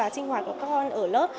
sinh hoạt của các con ở lớp